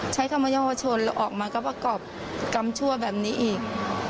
ใช้คำว่าเยาวชนแล้วออกมาก็ประกอบกรรมชั่วแบบนี้อีก